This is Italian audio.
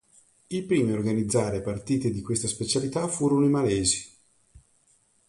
I primi a organizzare partite di questa specialità furono i malesi.